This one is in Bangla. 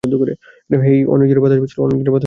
হেই, অনেক জোরে বাতাস ছিল।